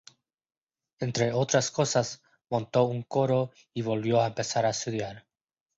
Entre otras cosas montó un coro y volvió a empezar a estudiar.